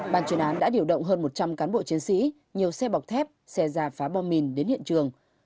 ban chuyên án đã điều động hơn một trăm linh cán bộ chiến sĩ nhiều xe bọc thép xe giả phá bom mìn đến hiện trường